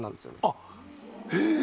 あっへえ！